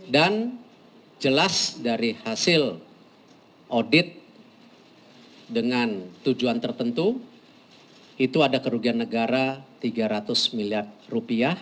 dan jelas dari hasil audit dengan tujuan tertentu itu ada kerugian negara rp tiga ratus miliar